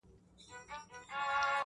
ملا جان مي د خوبونو تعبیر کښلی -